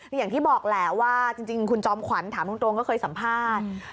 อย่างที่บอกแหละว่าจริงคุณจอมขวัญถามตรงก็เคยสัมภาษณ์